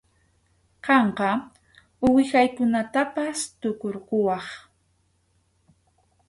Qamqa uwihaykunatapas tukurquwaq.